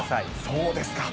そうですか。